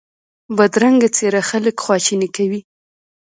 بدرنګه څېره خلک خواشیني کوي